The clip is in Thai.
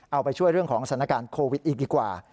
เอาไปช่วยเรื่องของสถานการณ์โควิดอีกดีกว่า